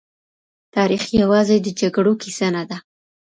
تاريخ يوازې د جګړو کيسه نه ده.